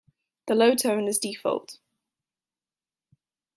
The low tone is default.